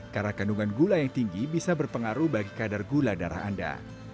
karena kandungan gula yang tinggi bisa berpengaruh bagi kadar gula darah anda